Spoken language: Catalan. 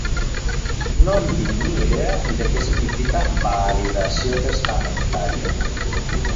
No en tinc ni idea de què significa "validació testamentària".